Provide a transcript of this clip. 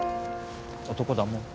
男だもん。